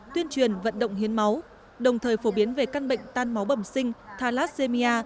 tuyên truyền vận động hiến máu đồng thời phổ biến về căn bệnh tan máu bẩm sinh thalassemia